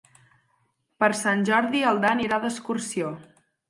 Per Sant Jordi en Dan irà d'excursió.